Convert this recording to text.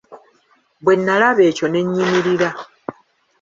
Bwe nalaba ekyo ne nnyimirira.